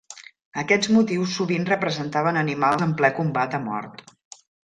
Aquests motius sovint representaven animals en ple combat a mort.